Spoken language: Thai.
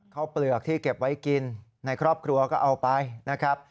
เปลือกที่เก็บไว้กินในครอบครัวก็เอาไปนะครับ